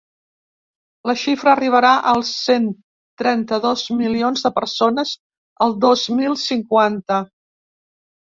La xifra arribarà als cent trenta-dos milions de persones el dos mil cinquanta.